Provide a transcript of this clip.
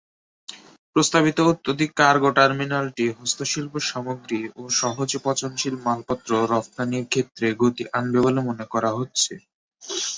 প্রস্তাবিত অত্যধিক কার্গো টার্মিনালটি হস্তশিল্প সামগ্রী ও সহজে পচনশীল মালপত্র রফতানির ক্ষেত্রে গতি আনবে বলে মনে করা হচ্ছে।